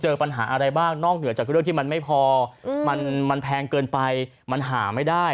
ปัญหาอะไรบ้างนอกเหนือจากเรื่องที่มันไม่พอมันแพงเกินไปมันหาไม่ได้